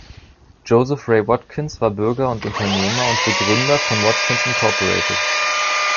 Joseph Ray Watkins war Bürger und Unternehmer und Begründer von Watkins Incorporated.